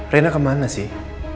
reina kemana sih